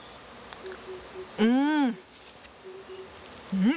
うん。